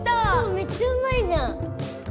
めっちゃうまいじゃん！